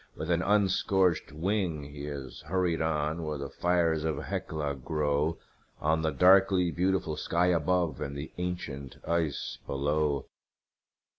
With an unscorched wing he has hurried on, where the fires of Hecla glow On the darkly beautiful sky above and the ancient ice below.